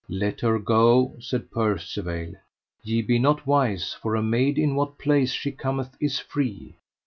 Let her go, said Percivale, ye be not wise, for a maid in what place she cometh is free.